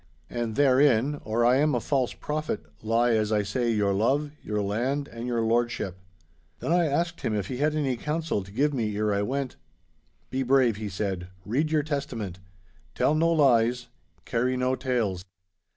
And therein (or I am a false prophet) lie, as I say, your love, your land, and your lordship.' Then I asked him if he had any counsel to give me ere I went. 'Be brave,' he said, 'read your Testament. Tell no lies. Carry no tales.